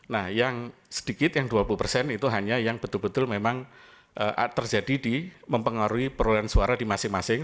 nah yang sedikit yang dua puluh persen itu hanya yang betul betul memang terjadi di mempengaruhi perolehan suara di masing masing